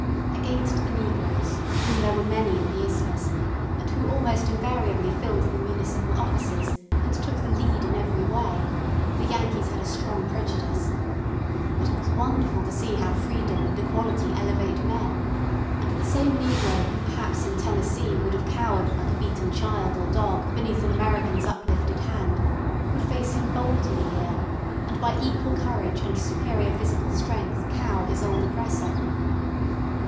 Against the negroes, of whom there were many in the Isthmus, and who almost invariably filled the municipal offices, and took the lead in every way, the Yankees had a strong prejudice; but it was wonderful to see how freedom and equality elevate men, and the same negro who perhaps in Tennessee would have cowered like a beaten child or dog beneath an American's uplifted hand, would face him boldly here, and by equal courage and superior physical strength cow his old oppressor.